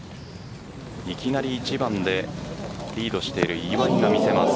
いきなり１番でリードしている岩井が見せます。